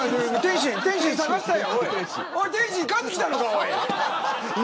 おい天津、帰ってきたのか。